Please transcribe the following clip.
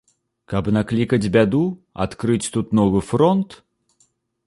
Каб наклікаць бяду, адкрыць тут новы фронт?